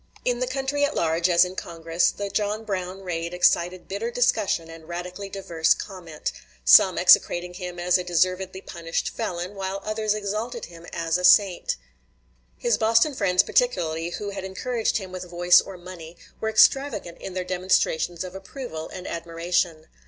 In the country at large, as in Congress, the John Brown raid excited bitter discussion and radically diverse comment some execrating him as a deservedly punished felon, while others exalted him as a saint. His Boston friends particularly, who had encouraged him with voice or money, were extravagant in their demonstrations of approval and admiration.